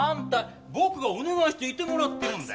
僕がお願いしていてもらってるんだよ。